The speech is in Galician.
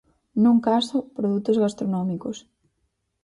Nun caso, produtos gastronómicos.